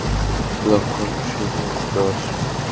লক্ষণ শুভ, জশ!